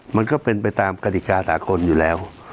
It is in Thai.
มันก็เป็นไปตามกฎิกาสากลอยู่แล้ว